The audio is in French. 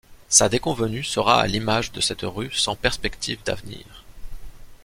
Sa déconvenue sera à l'image de cette rue sans perspectives d'avenir.